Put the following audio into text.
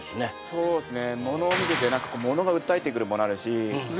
そうなんですね